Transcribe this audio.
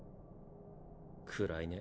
暗いね。